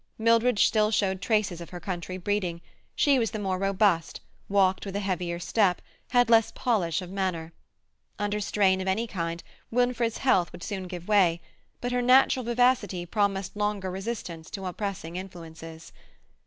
Mildred still showed traces of her country breeding; she was the more robust, walked with a heavier step, had less polish of manner. Under strain of any kind Winifred's health would sooner give way, but her natural vivacity promised long resistance to oppressing influences.